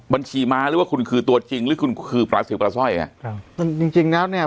บัญชีม้าหรือว่าคุณคือตัวจริงหรือคุณคือปลาสิวปลาสร้อยอ่ะครับจริงจริงแล้วเนี้ย